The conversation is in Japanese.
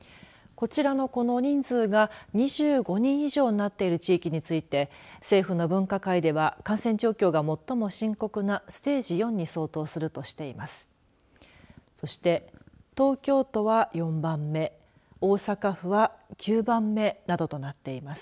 こちらの、この人数が２５人以上になっている地域について政府の分科会では感染状況が最も深刻なステージ４に相当するとしています。